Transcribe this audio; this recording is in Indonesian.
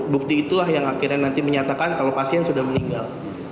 bukti itulah yang akhirnya nanti menyatakan kalau pasien sudah meninggal